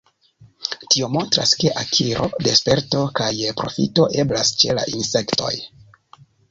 Tio montras, ke akiro de sperto kaj profito eblas ĉe la insektoj.